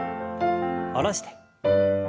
下ろして。